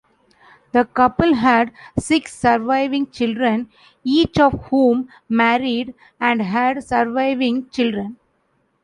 The couple had six surviving children, each of whom married and had surviving children.